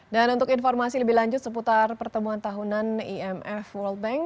dan untuk informasi lebih lanjut seputar pertemuan tahunan imf world bank